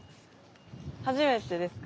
初めてですか？